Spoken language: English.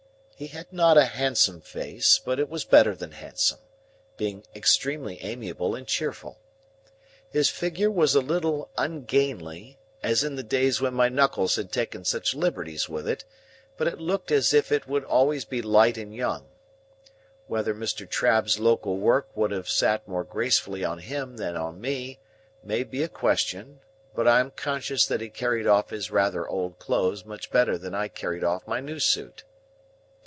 He had not a handsome face, but it was better than handsome: being extremely amiable and cheerful. His figure was a little ungainly, as in the days when my knuckles had taken such liberties with it, but it looked as if it would always be light and young. Whether Mr. Trabb's local work would have sat more gracefully on him than on me, may be a question; but I am conscious that he carried off his rather old clothes much better than I carried off my new suit.